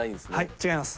違います。